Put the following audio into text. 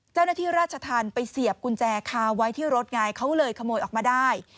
เจ้าหน้าที่ราชธรรมไปเสียบกุญแจคาไว้ที่รถไงเขาเลยขโมยออกมาได้